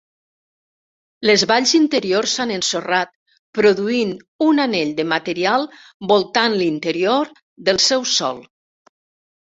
Les valls interiors s'han ensorrat, produint un anell de material voltant l'interior del seu sol.